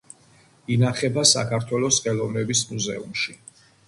ინახება საქართველოს ხელოვნების მუზეუმში.